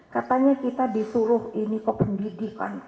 katanya kita disuruh ini ke pendidikan